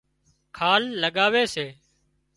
کال لڳاوي سي